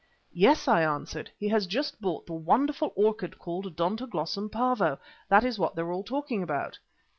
"Yes," I answered, "he has just bought the wonderful orchid called 'Odontoglossum Pavo.' That is what they are all talking about."